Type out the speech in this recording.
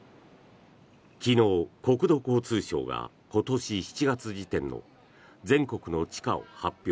昨日、国土交通省が今年７月時点の全国の地価を発表。